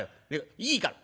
いいから！